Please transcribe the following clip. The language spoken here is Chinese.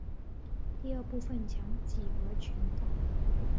第二部份讲几何全等。